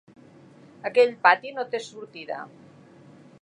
Aquell pati no té sortida.